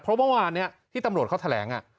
เพราะเมื่อวานที่ตำรวจเขาแถลง